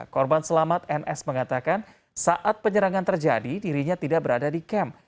korban selamat ns mengatakan saat penyerangan terjadi dirinya tidak berada di kem